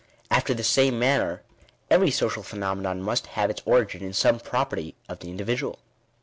After the same manner, every social phenomenon must have its origin in some property of the individual.